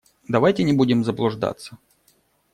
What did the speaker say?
Давайте не будем заблуждаться.